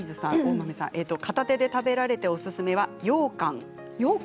片手で食べられておすすめはようかん。